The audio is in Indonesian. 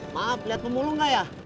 maaf lihat pemulung nggak ya